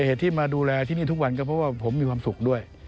เหตุที่มาดูแลที่นี่ทุกวันก็เพราะว่าผมมีความสุขด้วย